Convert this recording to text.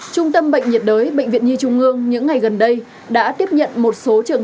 trung tâm bệnh nhiệt đới bệnh viện nhi trung ương những ngày gần đây đã tiếp nhận một số trường